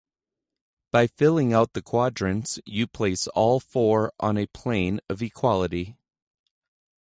By filling out the quadrants, you place all four on a plane of equality.